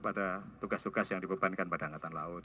pada tugas tugas yang dibebankan pada angkatan laut